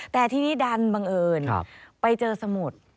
แต่ทีนี้ดันบังเอิญไปเจอสมุด